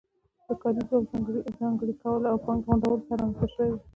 د کاري ځواک ځانګړي کولو او پانګې غونډولو سره رامنځته شوې وه